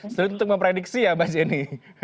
seru untuk memprediksi ya mbak jenny